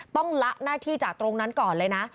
ละหน้าที่จากตรงนั้นก่อนเลยนะ